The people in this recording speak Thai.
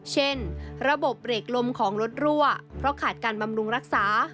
เช่นระบบเบรกลมของรถรั่วเพราะขาดการบำรุงรักษา